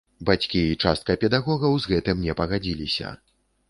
Бацькі і частка педагогаў з гэтым не пагадзіліся.